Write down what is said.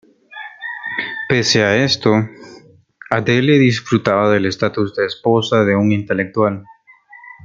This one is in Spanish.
Pese a esto, Adele disfrutaba del estatus de esposa de un intelectual.